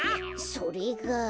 それが。